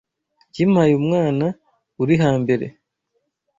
Ikimpaye umwana uri hambere